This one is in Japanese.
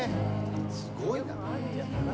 すごいな。